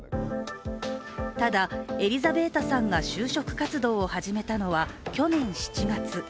ただ、エリザベータさんが就職活動を始めたのは去年７月。